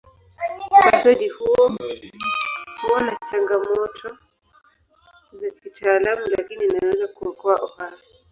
Upasuaji huo huwa na changamoto za kitaalamu lakini inaweza kuokoa uhai.